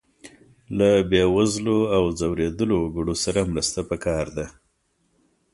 له بې وزلو او ځورېدلو وګړو سره مرسته پکار ده.